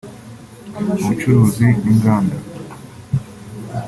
Ubucuruzi n’Inganda